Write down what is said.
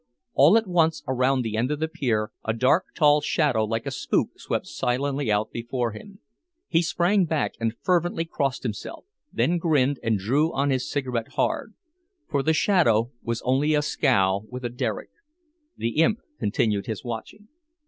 All at once around the end of the pier, a dark, tall shadow like a spook swept silently out before him. He sprang back and fervently crossed himself, then grinned and drew on his cigarette hard. For the shadow was only a scow with a derrick. The imp continued his watching.